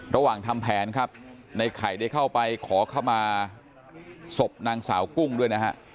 ระหว่างทำแผนในไข่ได้เข้าไปขอเข้ามาศพนางสาวกุ้งด้วย